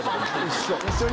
一緒。